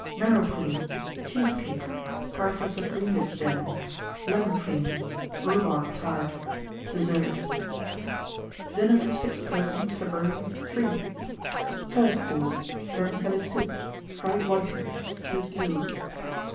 Marrow Pudding. Cheesecakes. Tartlets of Greengage Jam. Lemon Cream. Rhubarb Tart. DESSERT. 1915. DINNER FOR 6 PERSONS (February). III. FIRST COURSE. Vermicelli Soup. Fried Whitings. Stewed Eels.